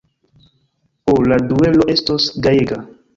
Ho, la duelo estos gajega!